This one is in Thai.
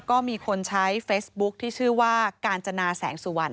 ก็มีคนใช้เฟซบุ๊คที่ชื่อว่ากาญจนาแสงสุวรร